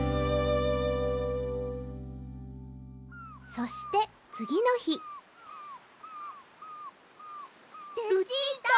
そしてつぎのひルチータ